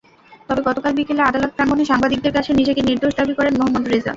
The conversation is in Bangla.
তবে গতকাল বিকেলে আদালত প্রাঙ্গণে সাংবাদিকদের কাছে নিজেকে নির্দোষ দাবি করেন মোহাম্মদ রেজা।